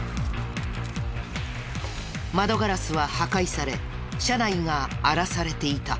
窓ガラスは破壊され車内が荒らされていた。